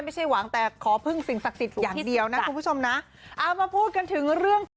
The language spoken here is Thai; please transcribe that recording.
ไม่ใช่หวังแต่ขอพึ่งสิ่งศักดิ์สิทธิ์อย่างเดียวนะคุณผู้ชมนะเอามาพูดกันถึงเรื่องของ